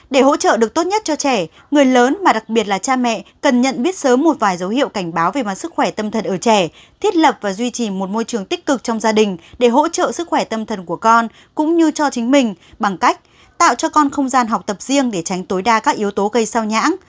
để hỗ trợ được tốt nhất cho trẻ người lớn mà đặc biệt là cha mẹ cần nhận biết sớm một vài dấu hiệu cảnh báo về mặt sức khỏe tâm thần ở trẻ thiết lập và duy trì một môi trường tích cực trong gia đình để hỗ trợ sức khỏe tâm thần của con cũng như cho chính mình bằng cách tạo cho con không gian học tập riêng để tránh tối đa các yếu tố gây sao nhãng